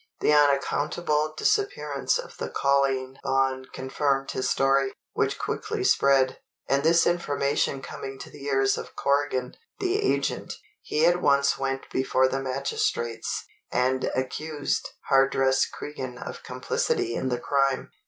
The unaccountable disappearance of the Colleen Bawn confirmed his story, which quickly spread; and this information coming to the ears of Corrigan, the agent, he at once went before the magistrates, and accused Hardress Cregan of complicity in the crime.